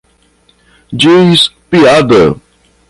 Diz piada